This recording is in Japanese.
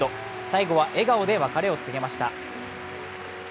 最後は笑顔で別れを告げました。